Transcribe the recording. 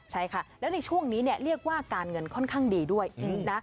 ใช่ค่ะแล้วในช่วงนี้เรียกว่าการเงินค่อนข้างดีด้วยนะ